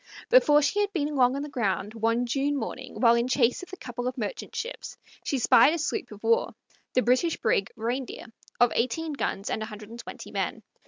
Before she had been long on the ground, one June morning, while in chase of a couple of merchant ships, she spied a sloop of war, the British brig Reindeer, of eighteen guns and a hundred and twenty men.